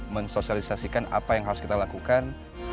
mensosialisasikan apa yang harus kita lakukan